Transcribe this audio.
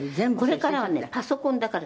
「これからはねパソコンだから。